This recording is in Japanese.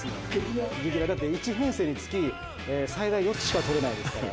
レア、だって１編成につき最大４つしか取れないですから。